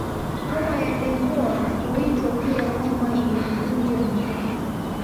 Homa ya dengua huitwa pia homa inayovunja mifupa